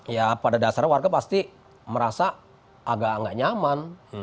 ya pada dasarnya warga pasti merasa agak nggak nyaman